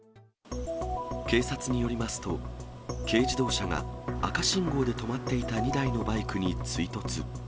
警察によりますと、軽自動車が赤信号で止まっていた２台のバイクに追突。